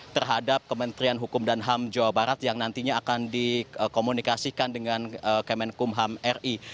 terhadap kementerian hukum dan ham jawa barat yang nantinya akan dikomunikasikan dengan kemenkumham ri